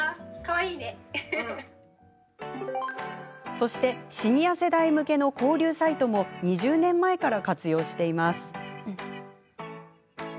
そして、シニア世代向けの交流サイトも２０年前から活用しています。